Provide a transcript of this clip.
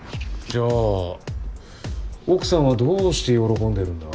じゃあ奥さんはどうして喜んでるんだ？